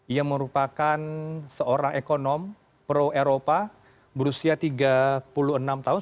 ia merupakan seorang ekonom pro eropa berusia tiga puluh enam tahun